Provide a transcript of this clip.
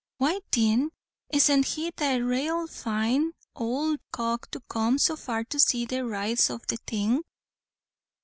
"Why thin isn't he the rale fine ould cock to come so far to see the rights o' the thing?"